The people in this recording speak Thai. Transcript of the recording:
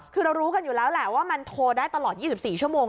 คือเรารู้กันอยู่แล้วแหละว่ามันโทรได้ตลอด๒๔ชั่วโมง